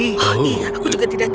oh bagaimana kejadiannya